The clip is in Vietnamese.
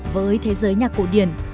với thế giới nhạc cổ điển